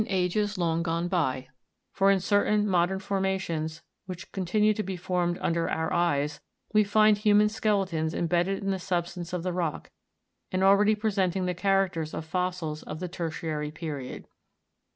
ages long gone by , for in certain modern formations, which con tinue to be formed under our eyes, we find human skeletons im bedded in the substance of the rock, and already presenting the characters of fossils of the tertiary period.